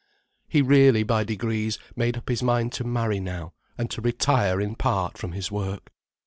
He really, by degrees, made up his mind to marry now, and to retire in part from his work.